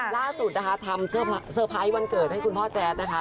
ล่าสุดนะคะทำเซอร์ไพรส์วันเกิดให้คุณพ่อแจ๊ดนะคะ